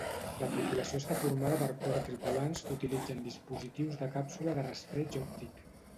La tripulació està formada per quatre tripulants que utilitzen dispositius de càpsula de rastreig òptic.